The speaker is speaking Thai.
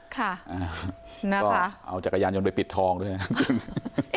ค่ะก็เอาจักรยานยนต์ไปปิดทองด้วยนะครับ